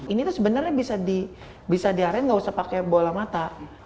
ini tuh sebenernya bisa diarein ngga usah pake bola mata